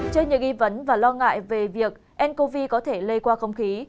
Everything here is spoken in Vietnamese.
trên những ghi vấn và lo ngại về việc ncov có thể lây qua không khí